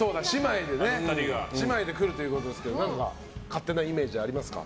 姉妹で来るということですけど何か勝手なイメージありますか？